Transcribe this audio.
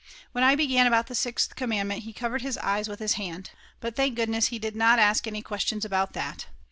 When I began about the sixth commandment he covered his eyes with his hand. But thank goodness he did not ask any questions about that.